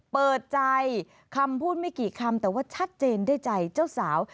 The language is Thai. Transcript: เปิดใจคำพูดไม่กี่คำแต่ว่าชัดเจนด้วยใจเจ้าสาว